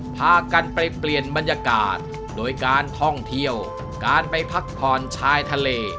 พากันไปเปลี่ยนบรรยากาศโดยการท่องเที่ยวการไปพักผ่อนชายทะเล